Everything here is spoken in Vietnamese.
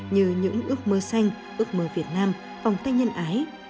như những ước mơ xanh ước mơ việt nam vòng tay nhân ái